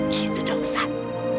gitu dong saad